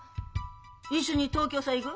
一緒に東京さ行ぐ。